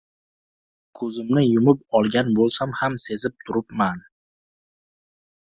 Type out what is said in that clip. Ko‘zimni yumib olgan bo‘lsam ham sezib turibman.